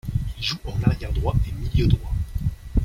Il joue en arrière droit et milieu droit.